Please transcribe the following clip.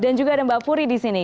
dan juga ada mbak puri di sini